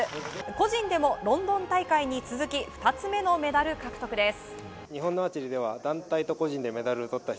個人でもロンドン大会に続き２つ目のメダル獲得です。